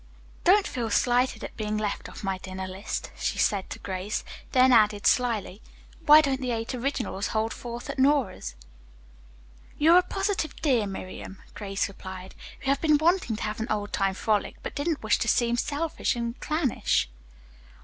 "Don't feel slighted at being left off my dinner list," she said to Grace, then added slyly, "Why don't the eight originals hold forth at Nora's?" "You're a positive dear, Miriam," Grace replied. "We have been wanting to have an old time frolic, but didn't wish to seem selfish and clannish."